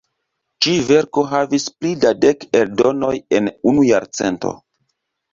Ĉi-verko havis pli da dek eldonoj en unu jarcento.